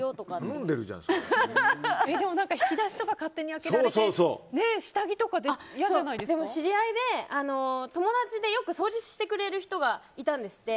引き出しとか勝手に開けられて知り合いで、よく掃除してくれる人がいたんですって。